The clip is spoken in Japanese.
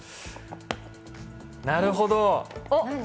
なるほど。